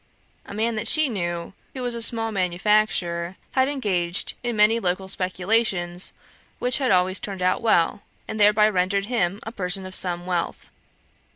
A man that she knew, who was a small manufacturer, had engaged in many local speculations which had always turned out well, and thereby rendered him a person of some wealth.